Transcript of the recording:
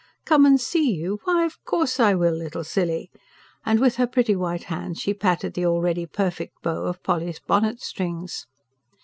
"Come and SEE you? Why, of course I will, little silly!" and, with her pretty white hands, she patted the already perfect bow of Polly's bonnet strings.